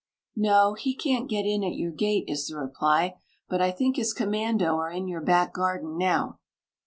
"No; he can't get in at your gate," is the reply; "but I think his commando are in your back garden now."